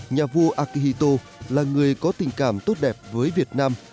nhà vua akihito là người có tình cảm tốt đẹp với việt nam